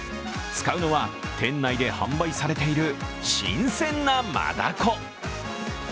使うのは店内で販売されている新鮮な真ダコ。